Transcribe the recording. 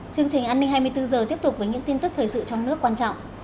chương trình an ninh hai mươi bốn h tiếp tục với những tin tức thời sự trong nước quan trọng